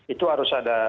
itu harus ada